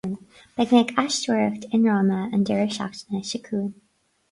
Beidh mé ag aisteoireacht i ndráma an deireadh seachtaine seo chugainn